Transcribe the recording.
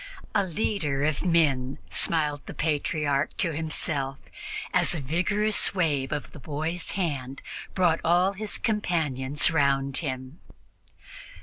"A leader of men," smiled the Patriarch to himself, as a vigorous wave of the boy's hand brought all his companions round him.